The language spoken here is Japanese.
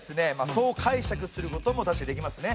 そう解釈することも確かにできますね。